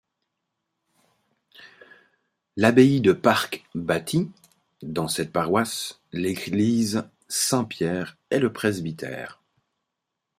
L'abbaye de Parc bâtît, dans cette paroisse, l'église Saint-Pierre et le presbytère.